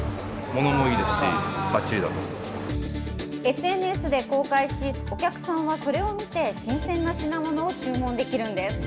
ＳＮＳで公開し、お客さんはそれを見て、新鮮な品物を注文できるんです。